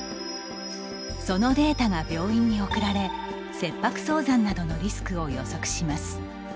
そのデータが病院に送られ切迫早産などのリスクを予測します。